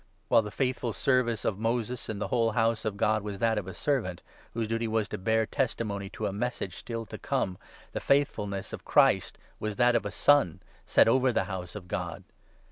While the faithful service of Moses in the whole 5 House of God was that of a servant, whose duty was to bear testimony to a Message still to come, the faithfulness of 6 Christ was that of a Son set over the House of God.